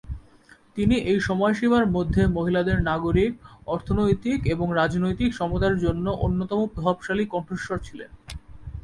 তিনি এই সময়সীমার মধ্যে মহিলাদের নাগরিক, অর্থনৈতিক এবং রাজনৈতিক সমতার জন্য অন্যতম প্রভাবশালী কণ্ঠস্বর ছিলেন।